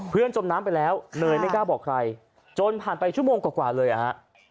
จมน้ำไปแล้วเนยไม่กล้าบอกใครจนผ่านไปชั่วโมงกว่าเลยอ่ะฮะ